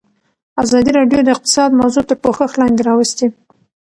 ازادي راډیو د اقتصاد موضوع تر پوښښ لاندې راوستې.